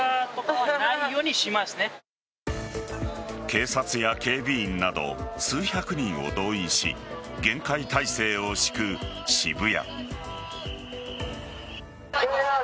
警察や警備員など数百人を動員し厳戒態勢を敷く渋谷。